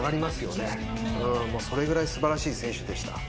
それぐらい素晴らしい選手でした。